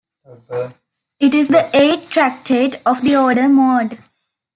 It is the eighth tractate of the order "Moed".